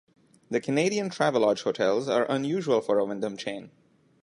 The Canadian Travelodge hotels are unusual for a Wyndham chain.